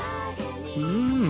うん。